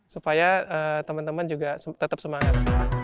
supaya teman teman juga tetap semangat